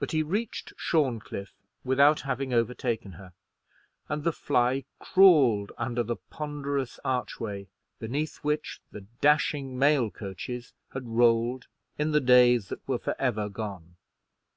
But he reached Shorncliffe without having overtaken her, and the fly crawled under the ponderous archway beneath which the dashing mail coaches had rolled in the days that were for ever gone.